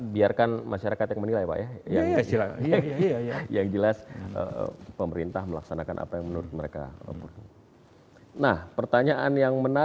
biarkan masyarakat yang menilai pak ya